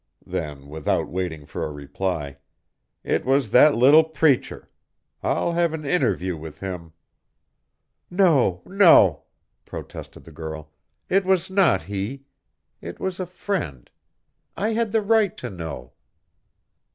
Then, without waiting for a reply, "It was that little preacher; I'll have an interview with him!" "No, no!" protested the girl. "It was not he. It was a friend. I had the right to know."